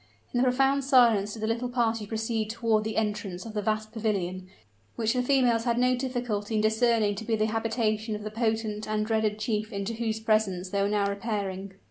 In profound silence did the little party proceed toward the entrance of the vast pavilion, which the females had no difficulty in discerning to be the habitation of the potent and dreaded chief into whose presence they were now repairing.